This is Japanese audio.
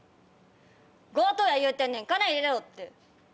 強盗や言うてんねん金入れろ！って。